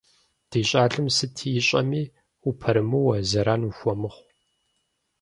Ди щӏалэм сыт ищӏэми упэрымыуэ, зэран ухуэмыхъу.